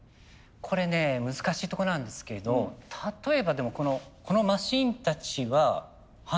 これね難しいとこなんですけど例えばでもこのマシーンたちは華があるんですよ。